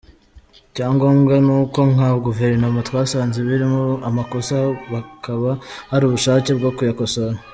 Icyangombwa ni uko nka guverinoma twasanze birimo amakosa hakaba hari ubushake bwo kuyakosora”.